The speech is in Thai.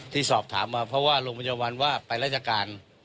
ที่สอบถามมาเพราะว่าโรงพยาบาลว่าไปราชการ